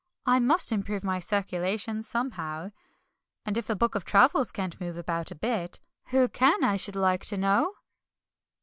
"I must improve my circulation somehow! And if a book of travels can't move about a bit, who can, I should like to know?"